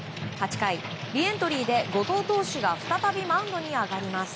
８回、リエントリーで後藤投手が再びマウンドに上がります。